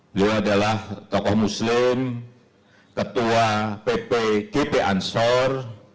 beliau adalah tokoh muslim ketua ppgp ansor